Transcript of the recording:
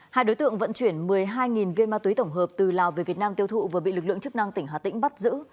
hai đối tượng vận chuyển một mươi hai viên ma túy tổng hợp từ lào về việt nam tiêu thụ vừa bị lực lượng chức năng tỉnh hà tĩnh bắt giữ